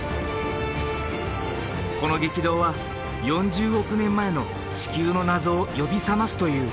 この激動は４０億年前の地球の謎を呼び覚ますという。